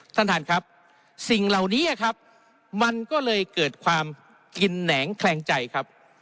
ท่านท่านครับสิ่งเหล่านี้ครับมันก็เลยเกิดความกินแหนงแคลงใจครับ